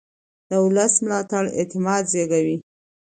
د ولس ملاتړ اعتماد زېږوي